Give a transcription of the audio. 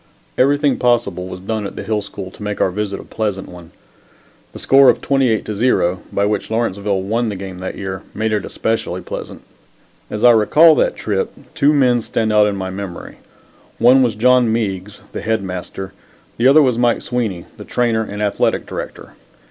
Everything possible was done at the Hill School to make our visit a pleasant one. The score of 28 to 0, by which Lawrenceville won the game that year, made it especially pleasant. As I recall that trip, two men stand out in my memory. One was John Meigs, the Head Master. The other was Mike Sweeney, the Trainer and Athletic Director.